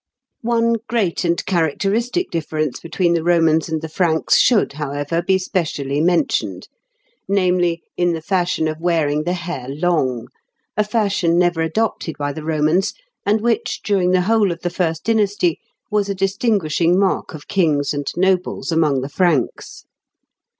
] One great and characteristic difference between the Romans and the Franks should, however, be specially mentioned; namely, in the fashion of wearing the hair long, a fashion never adopted by the Romans, and which, during the whole of the first dynasty, was a distinguishing mark of kings and nobles among the Franks.